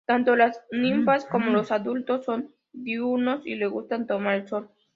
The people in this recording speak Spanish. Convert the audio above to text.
Tanto las ninfas como los adultos son diurnos y les gusta tomar el sol.